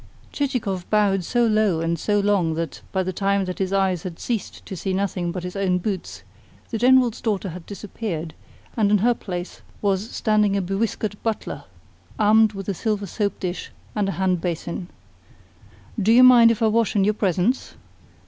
Chichikov bowed so low and so long that, by the time that his eyes had ceased to see nothing but his own boots, the General's daughter had disappeared, and in her place was standing a bewhiskered butler, armed with a silver soap dish and a hand basin. "Do you mind if I wash in your presence?"